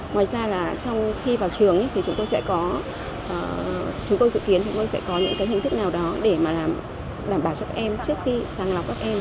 ngoài ra là trong khi vào trường thì chúng tôi sẽ có chúng tôi dự kiến chúng tôi sẽ có những cái hình thức nào đó để mà làm đảm bảo cho các em trước khi sàng lọc các em